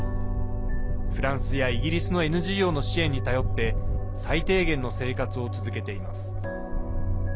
フランスやイギリスのＮＧＯの支援に頼って最低限の生活を続けています。